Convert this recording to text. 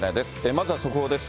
まずは速報です。